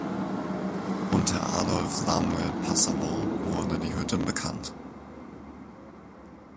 Unter Adolph Samuel Passavant wurde die Hütte bekannt.